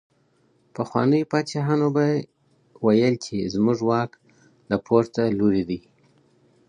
پخوانيو پادشاهانو به ويل چي زموږ واک له پورته لوري دی.